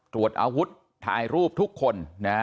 ตรวจอาวุธถ่ายรูปทุกคน